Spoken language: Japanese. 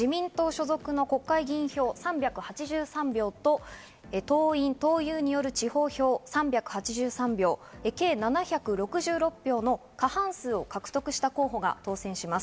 総裁選は衆参両院議長を除く自民党所属の国会議員票３８３票と党員・党友による地方票３８３票、計７６６票の過半数を獲得した候補が当選します。